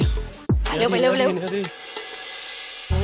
เร็ว